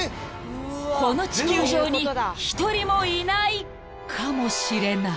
［この地球上に一人もいないかもしれない］